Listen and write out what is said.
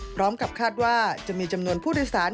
พร้อมกับคาดว่าจะมีจำนวนผู้โดยสาร